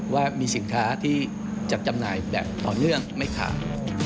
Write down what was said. ว่ามีสินค้าที่จัดจำหน่ายแบบต่อเนื่องไม่ขาด